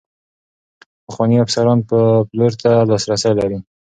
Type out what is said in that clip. پخواني افسران پلور ته لاسرسی لري.